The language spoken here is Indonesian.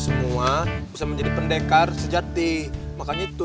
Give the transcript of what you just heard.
semua bisa menjadi pendekar sejati makanya itu